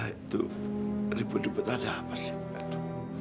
itu ribut ribut ada apa sih